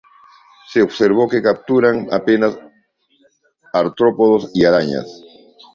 Se observó que capturan apenas artrópodos y arañas.